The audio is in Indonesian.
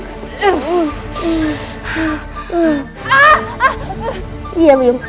setan sedikit biung